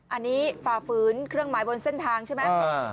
อันนี้ฝ่าฝืนเครื่องหมายบนเส้นทางใช่ไหม